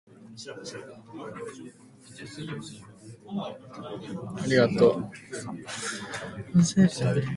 高いんじゃない